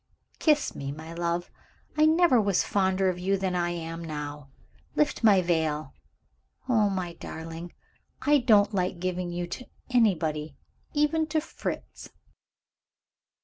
Kiss me, my love; I never was fonder of you than I am now. Lift my veil. Oh, my darling, I don't like giving you to anybody, even to Fritz."